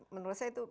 menurut saya itu